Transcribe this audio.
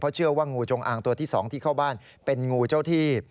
เชื่อว่างูจงอางตัวที่๒ที่เข้าบ้านเป็นงูเจ้าที่